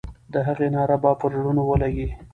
د هغې ناره به پر زړونو ولګي.